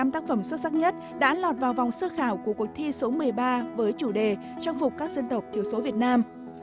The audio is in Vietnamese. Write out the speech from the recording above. năm tác phẩm xuất sắc nhất đã lọt vào vòng sơ khảo của cuộc thi số một mươi ba với chủ đề trang phục các dân tộc thiểu số việt nam